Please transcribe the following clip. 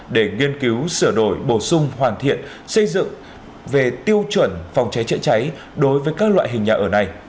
để nghiên cứu sửa đổi bổ sung hoàn thiện xây dựng về tiêu chuẩn phòng cháy chữa cháy đối với các loại hình nhà ở này